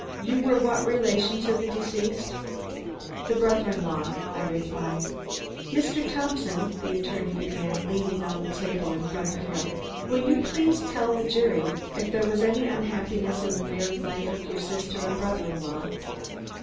"You were what relation to the deceased?" "The brother in law," I replied. "Mr. Thompson," the attorney began, leaning on the table in front of him, "will you please tell the jury if there was any unhappiness in the married life of your sister and brother in law?"